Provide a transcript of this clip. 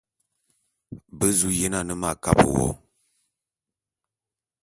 Be zu yen ane m'akabe wo.